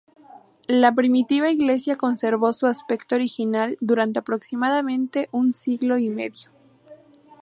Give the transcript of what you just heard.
La primitiva iglesia conservó su aspecto original durante aproximadamente un siglo y medio.